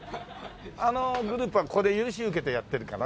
あのグループはここで許し受けてやってるかな？